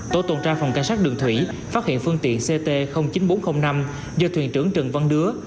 tổ tuần tra phòng cảnh sát đường thủy phát hiện phương tiện ct chín nghìn bốn trăm linh năm do thuyền trưởng trần văn đứa